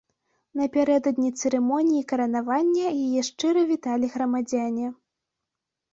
Напярэдадні цырымоніі каранавання, яе шчыра віталі грамадзяне.